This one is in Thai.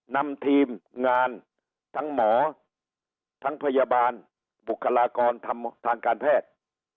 นำทีมงานทั้งหมอทั้งพยาบาลบุคลากรทางการแพทย์